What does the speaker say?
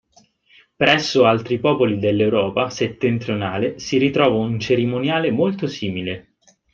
Presso altri popoli dell'Europa settentrionale si ritrova un cerimoniale molto simile.